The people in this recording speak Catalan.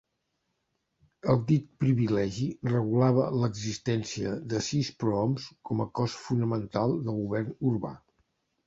El dit privilegi regulava l'existència de sis prohoms com a cos fonamental del govern urbà.